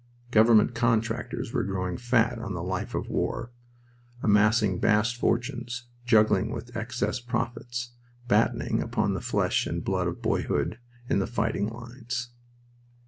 Government contractors were growing fat on the life of war, amassing vast fortunes, juggling with excess profits, battening upon the flesh and blood of boyhood in the fighting lines.